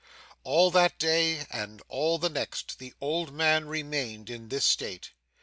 All that day, and all the next, the old man remained in this state.